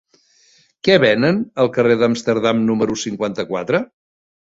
Què venen al carrer d'Amsterdam número cinquanta-quatre?